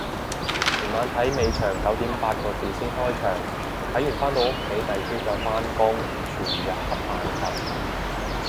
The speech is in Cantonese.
前晚睇尾場九點八個字先開場，睇完返到屋企第朝再返工，全日恰眼瞓